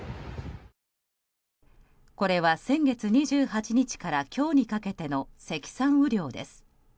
これは先月２８日から今日にかけての積算雨量です。